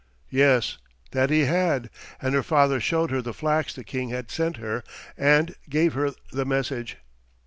Yes, that he had; and her father showed her the flax the King had sent her and gave her the message.